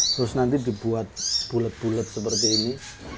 terus nanti dibuat bulet bulet seperti ini